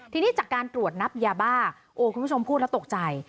ทีนี้จากการตรวจนับยาบ้าโอ้คุณผู้ชมพูดแล้วตกใจ